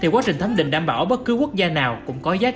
thì quá trình thấm định đảm bảo bất cứ quốc gia nào cũng có giá trị như nhau